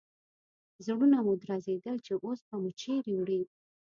زړونه مو درزېدل چې اوس به مو چیرې وړي.